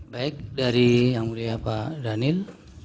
baik dari yang mulia pak daniel